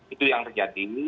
itu yang terjadi